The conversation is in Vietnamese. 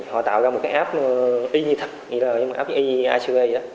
họ tạo ra một cái app y như thật y như icb